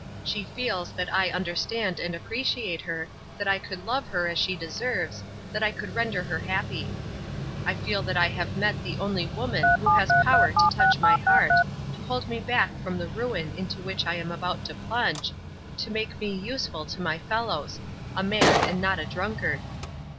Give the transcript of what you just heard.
She feels that I understand and appreciate her, that I could love her as she deserves, that I could render her happy. I feel that I have met the only woman who has power to touch my heart, to hold me back from the ruin into which I am about to plunge, to make me useful to my fellows a man, and not a drunkard."